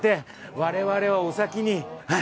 我々はお先にはい。